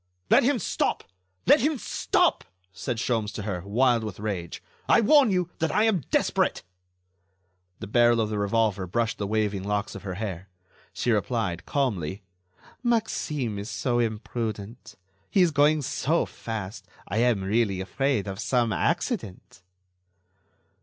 "Let him stop! Let him stop!" said Sholmes to her, wild with rage, "I warn you that I am desperate." The barrel of the revolver brushed the waving locks of her hair. She replied, calmly: "Maxime is so imprudent. He is going so fast, I am really afraid of some accident."